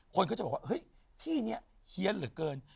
คนก็จะบอกว่าเฮ้ยที่นี้เฮียนเหลือเกิน